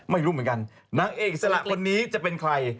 ไม่รู้เหมือนกันนางเอกอิสระคนนี้จะเป็นใคร